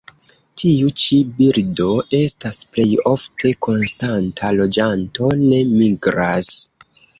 Tiu ĉi birdo estas plej ofte konstanta loĝanto; ne migras.